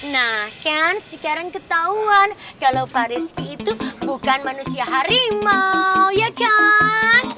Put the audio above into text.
nah kan sekarang ketahuan kalau pak rizky itu bukan manusia harimau ya kan